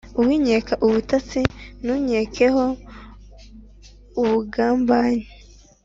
winkeka ubutati: ntunkekeho ubugambanyi